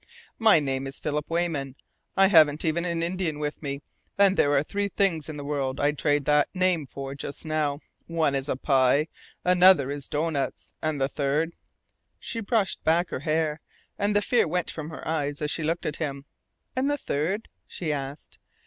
My name is Philip Weyman; I haven't even an Indian with me, and there are three things in the world I'd trade that name for just now: One is pie, another is doughnuts, and the third " She brushed back her hair, and the fear went from her eyes as she looked at him. "And the third?" she asked.